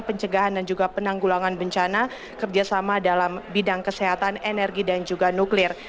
pencegahan dan juga penanggulangan bencana kerjasama dalam bidang kesehatan energi dan juga nuklir